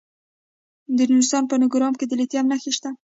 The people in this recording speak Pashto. د نورستان په نورګرام کې د لیتیم نښې شته.